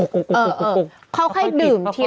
เขาค่อยดื่มทุกชั่วโมงเขาค่อยจีบดื่มไป